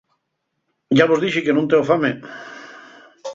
Yá vos dixi que nun teo fame.